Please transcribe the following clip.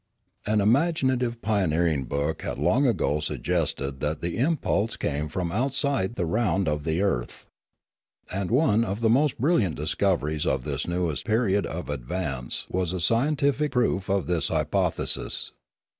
An imaginative pioneering book had long ago sug gested that the impulse came from outside the round of the earth. And one of the most brilliant discoveries of this newest period of advance was a scientific proof of this hypothesis.